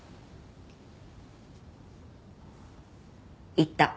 言った。